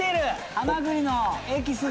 ハマグリのエキスが。